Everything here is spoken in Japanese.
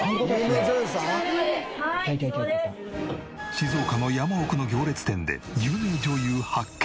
静岡の山奥の行列店で有名女優発見！